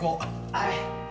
はい！